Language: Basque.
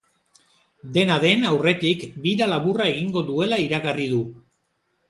Dena den, aurretik, bira laburra egingo duela iragarri du.